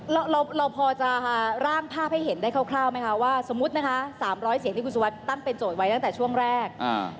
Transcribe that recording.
เราเราพอจะร่างภาพให้เห็นได้คร่าวไหมคะว่าสมมุตินะคะสามร้อยเสียงที่คุณสุวัสดิ์ตั้งเป็นโจทย์ไว้ตั้งแต่ช่วงแรก